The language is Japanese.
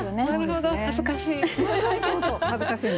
なるほど恥ずかしい。